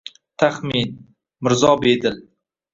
Taxmin, Mirzo Bedil